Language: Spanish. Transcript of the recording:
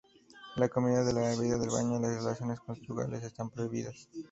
La comida, la bebida, el baño, y las relaciones conyugales están prohibidas.